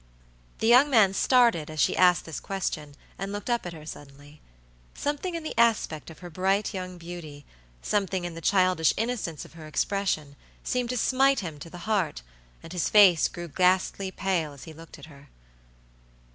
The young man started as she asked this question and looked up at her suddenly. Something in the aspect of her bright young beauty, something in the childish innocence of her expression, seemed to smite him to the heart, and his face grew ghastly pale as he looked at her.